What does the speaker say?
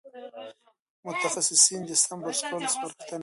متخصصین د سم برس کولو سپارښتنه کوي.